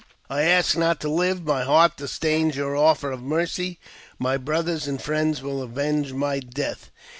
I ask not to live. My heart disdains your offers of mercy. My brothers and friends will avenge my death."